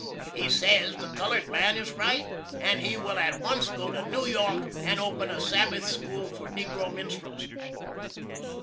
He sez the colored man is right, and he will at once go to New York and open a Sabbath School for negro minstrels.